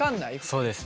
そうですね。